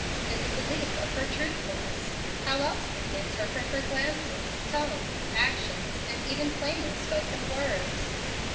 In the belief of her truthfulness, how else could he interpret her glances, tones, actions, and even plainly spoken words?